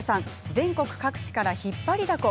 全国各地から引っ張りだこ。